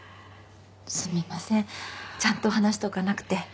すみませんちゃんと話しておかなくて。